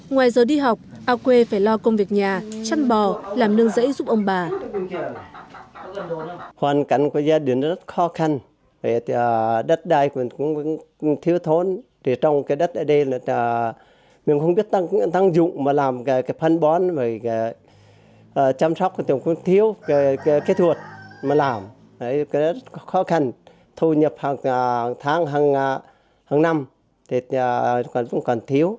ngoài giờ đi học a quê phải lo công việc nhà chăn bò làm nương rẫy giúp ông bà